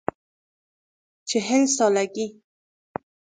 چهل سالگی